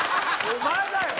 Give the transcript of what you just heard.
お前だよ！